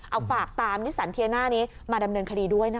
เอาฝากตามนิสันเทียน่านี้มาดำเนินคดีด้วยนะคะ